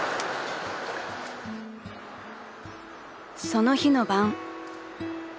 ［その日の晩］